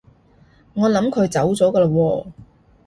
我諗佢走咗㗎喇喎